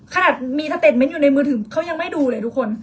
ขนาดมีสเต็ปเน้นอยู่ในมือถือเขายังไม่ดูเลยทุกคน